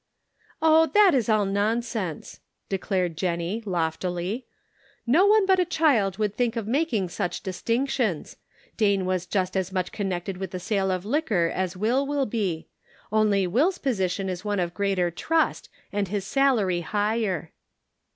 " Oh, that is all nonsense," declared Jennie, loftily ;" no one but a child would think of making such distinctions. Dane was just as much connected with the sale of liquor as Will will be. Only Will's position is one of greater trust and his salary higher."